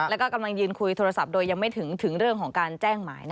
แล้วก็กำลังยืนคุยโทรศัพท์โดยยังไม่ถึงเรื่องของการแจ้งหมาย